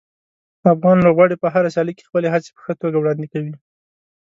افغان لوبغاړي په هره سیالي کې خپلې هڅې په ښه توګه وړاندې کوي.